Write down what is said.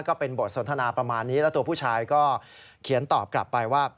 ก็เป็นบทสนทนาประมาณนี้แล้วตัวผู้ชายก็เขียนตอบกลับไปว่า